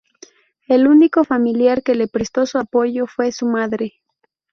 El único familiar que le prestó su apoyo fue su madre.